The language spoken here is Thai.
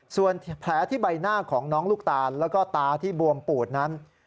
ส่วนแผลที่ใบหน้าของน้องลูกตาลแล้วก็ตาที่บวมปูดนั้น